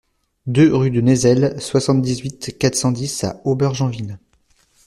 deux rue de Nézel, soixante-dix-huit, quatre cent dix à Aubergenville